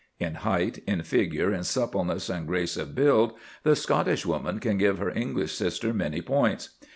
In height, in figure, in suppleness and grace of build, the Scottish woman can give her English sister many points.